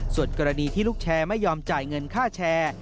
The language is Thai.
ส่วนกรณีที่ลูกแชร์ไม่ยอมจ่ายเงินค่าแชร์